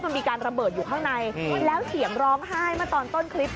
มันมีการระเบิดอยู่ข้างในแล้วเสียงร้องไห้เมื่อตอนต้นคลิป